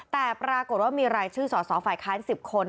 แต่ปรากฏว่ามีรายชื่อสอสอฝ่ายค้าน๑๐คน